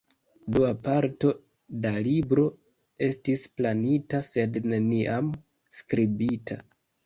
Dua parto da libro estis planita sed neniam skribita.